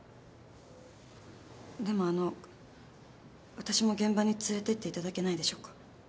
でもあの私も現場に連れてっていただけないでしょうか。